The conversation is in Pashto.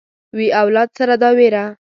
وي اولاد سره دا وېره